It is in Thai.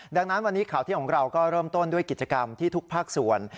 ดังนั้นวันนี้ข่าวเที่ยงของเราก็เริ่มต้นด้วยกิจกรรมที่ทุกภาคส่วน